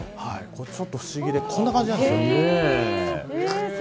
ちょっと不思議でこんな感じなんです。